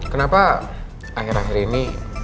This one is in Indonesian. kenapa akhir akhir ini